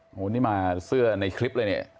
โอ้โหนี่มาเสื้อในคลิปเลยเนี่ย